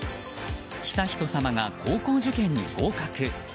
悠仁さまが高校受験に合格。